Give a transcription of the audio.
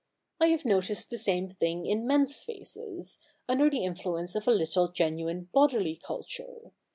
I have noticed the same thing in men's faces, under the influence of a little genuine bodily culture.